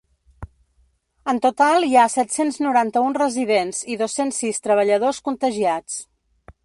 En total hi ha set-cents noranta-un residents i dos-cents sis treballadors contagiats.